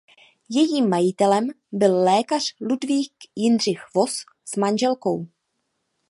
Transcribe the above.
Jejím majitelem byl lékař Ludvík Jindřich Voss s manželkou.